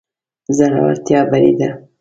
زړورتيا بري ده.